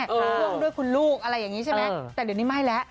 ร่วมด้วยคุณลูกอะไรอย่างนี้ใช่ไหมแต่เดี๋ยวนี้ไม่แล้ว